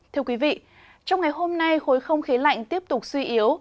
thưa quý vị trong ngày hôm nay khối không khí lạnh tiếp tục suy yếu